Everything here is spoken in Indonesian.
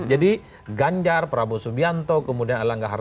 jadi gajar prabowo subianto kemudian air langgar tarto